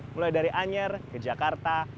mulai dari anyer ke jakarta